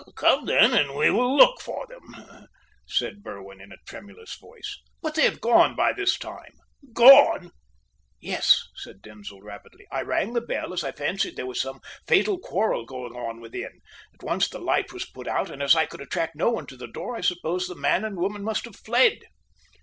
"Come, then, and we will look for them," said Berwin in a tremulous voice. "But they have gone by this time!" "Gone!" "Yes," said Denzil rapidly. "I rang the bell, as I fancied there was some fatal quarrel going on within. At once the light was put out, and as I could attract no one to the door, I suppose the man and woman must have fled."